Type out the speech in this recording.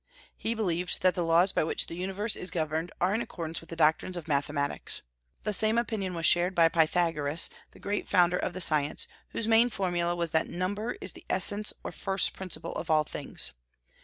He believed that the laws by which the universe is governed are in accordance with the doctrines of mathematics. The same opinion was shared by Pythagoras, the great founder of the science, whose main formula was that number is the essence or first principle of all things.